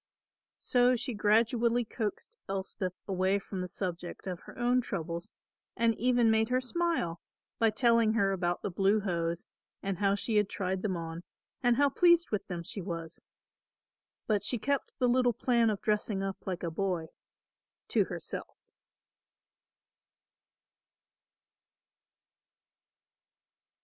So she gradually coaxed Elspeth away from the subject of her own troubles and even made her smile by telling her about the blue hose and how she had tried them on, and how pleased with them she was; but she kept the little plan of dressing up like a boy to herself.